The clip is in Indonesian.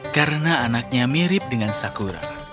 karena anaknya mirip dengan sakura